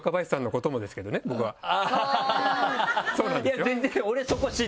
いや全然。